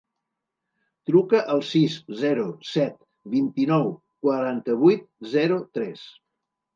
Truca al sis, zero, set, vint-i-nou, quaranta-vuit, zero, tres.